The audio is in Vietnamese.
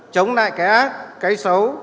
chống lại cái ác cái xấu